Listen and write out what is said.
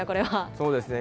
そうですね。